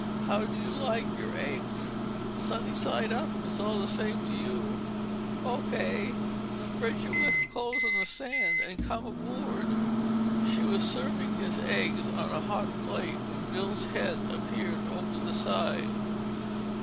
"How do you like your eggs?" "Sunny side up, if it's all the same to you." "O.K. Spread your wet clothes on the sand and come aboard." She was serving his eggs on a hot plate when Bill's head appeared over the side.